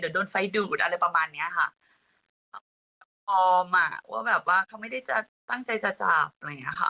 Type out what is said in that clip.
เดี๋ยวโดนไฟดูดอะไรประมาณเนี้ยค่ะเขาก็บอกออมอ่ะว่าแบบว่าเขาไม่ได้จะตั้งใจจะจับอะไรอย่างเงี้ยค่ะ